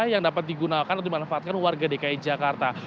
yang dapat digunakan atau dimanfaatkan warga dki jakarta